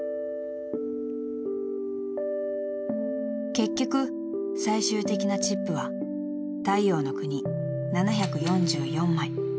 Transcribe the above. ［結局最終的なチップは太陽ノ国７４４枚］